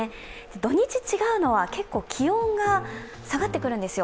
土日違うのは、結構気温が下がってくるんですよ。